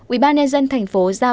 ubnd thành phố giao thị